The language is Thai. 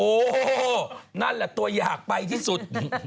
โอ้โหนั่นแหละตัวอยากไปที่สุด